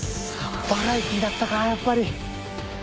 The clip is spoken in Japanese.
バラエティーだったかやっぱり。